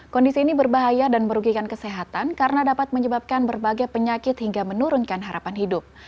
kondisi ini berbahaya dan merugikan kesehatan karena dapat menyebabkan berbagai penyakit hingga menurunkan harapan hidup